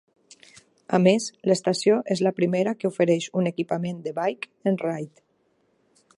A més, l'estació és la primera que ofereix un equipament de Bike and Ride.